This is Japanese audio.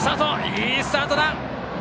いいスタートだ！